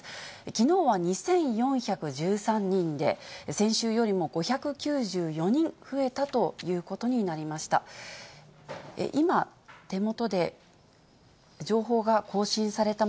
きのうは２４１３人で、先週よりも５９４人増えたということになりました。